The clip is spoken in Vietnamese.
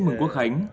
mừng quốc khánh